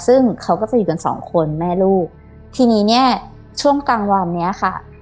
ซึ่งเขาก็จะอยู่กันสองคนแม่ลูกทีนี้เนี่ยช่วงกลางวันเนี้ยค่ะ